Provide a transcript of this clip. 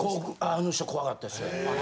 あの人怖かったっすね。